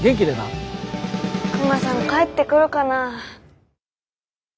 クマさん帰ってくるかな。